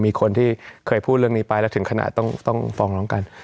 มีคนที่เคยพูดเรื่องนี้ไปแล้วถึงขนาดต้องฟ้องร้องกัน